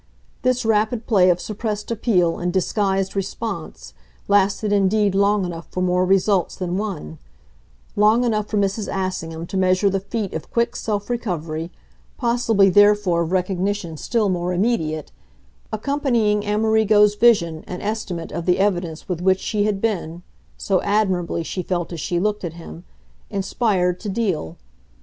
This rapid play of suppressed appeal and disguised response lasted indeed long enough for more results than one long enough for Mrs. Assingham to measure the feat of quick self recovery, possibly therefore of recognition still more immediate, accompanying Amerigo's vision and estimate of the evidence with which she had been so admirably, she felt as she looked at him inspired to deal.